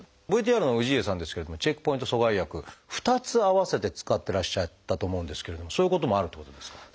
ＶＴＲの氏家さんですけれども免疫チェックポイント阻害薬２つ併せて使ってらっしゃったと思うんですけれどもそういうこともあるっていうことですか？